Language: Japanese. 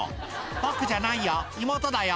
「僕じゃないよ妹だよ」